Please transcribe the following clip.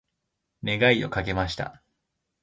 願いをかけました。